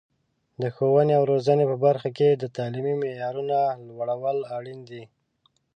د ښوونې او روزنې په برخه کې د تعلیمي معیارونو لوړول اړین دي.